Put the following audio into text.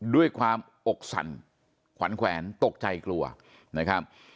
ด้วยความอกสั่นขวัญแขวนตกใจกลัวนะครับ